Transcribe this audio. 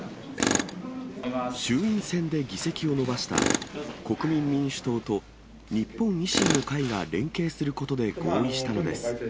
衆院選で議席を伸ばした国民民主党と日本維新の会が連携することで合意したのです。